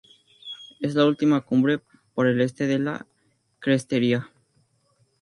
Es la última cumbre por el este de la crestería.